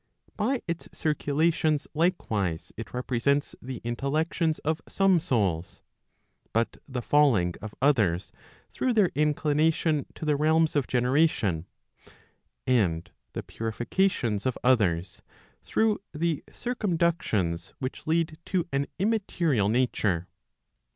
By its circulations likewise it repre¬ sents the intellections of some souls; but the falling of others through their inclination to the realms of generation; and the purifications of others, through the circumductions which lead to an immaterial nature.